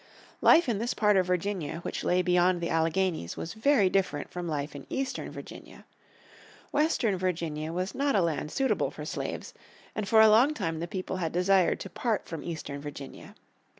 Life in this part of Virginia which lay beyond the Alleghenies was very different from life in Eastern Virginia. Western Virginia was not a land suitable for slaves, and for a long time the people had desired to part from Eastern Virginia.